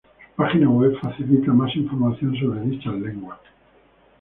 Su página web facilita más información sobre dichas lenguas.